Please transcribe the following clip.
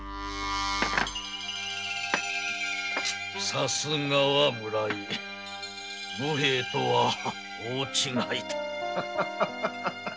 さすがは村井武兵衛とは大違いだ。